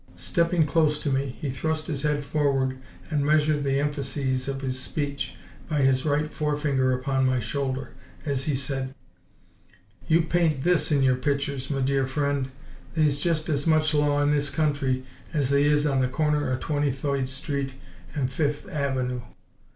Stepping close to me, he thrust his head forward and measured the emphases of his speech by his right forefinger upon my shoulder, as he said: "You paint THIS in yer pitchers, m' dear friend; they's jest as much law in this country as they is on the corner o' Twenty thoid Street an' Fif' Avenoo!